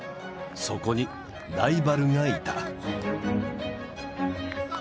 そこにライバルがいた。